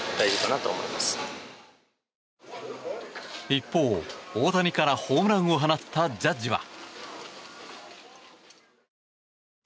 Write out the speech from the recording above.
一方、大谷からホームランを放ったジャッジは。